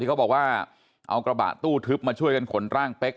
เขาบอกว่าเอากระบะตู้ทึบมาช่วยกันขนร่างเป๊ก